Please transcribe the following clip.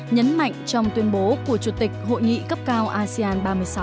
nhấn mạnh trong tuyên bố của chủ tịch hội nghị cấp cao asean ba mươi sáu